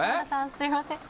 すいません